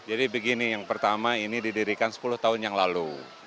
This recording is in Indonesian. jadi begini yang pertama ini didirikan sepuluh tahun yang lalu